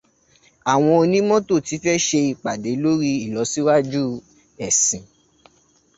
Àwọn onimọ̀ ti fẹ́ ṣe ìpàdé lóri ilọ̀síwájú ẹ̀sìn.